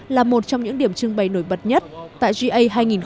là một trong những điểm trưng bày nổi bật nhất tại ga hai nghìn một mươi sáu